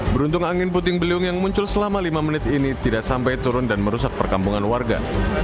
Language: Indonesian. beruntung angin puting beliung yang muncul selama lima menit ini tidak sampai turun dan merusak perkampungan warga